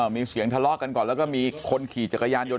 มีเสียงทะเลาะกันก่อนแล้วก็มีคนขี่จักรยานยนต